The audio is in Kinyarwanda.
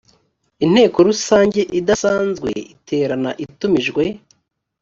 inteko rusange idasanzwe iterana itumijwe